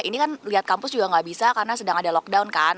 ini kan lihat kampus juga nggak bisa karena sedang ada lockdown kan